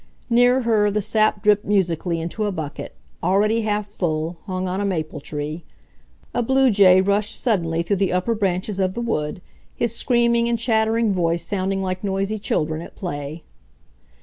Near her the sap dripped musically into a bucket, already half full, hung on a maple tree. A blue jay rushed suddenly through the upper branches of the wood, his screaming and chattering voice sounding like noisy children at play.